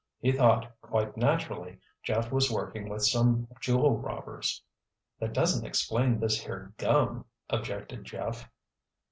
He thought, quite naturally, Jeff was working with some jewel robbers." "That doesn't explain this here gum," objected Jeff.